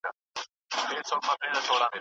چاړه وه دم درحاله